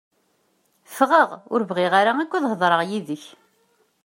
Ffeɣ! Ur bɣiɣ ara akk ad heḍṛeɣ yid-k!